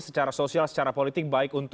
secara sosial secara politik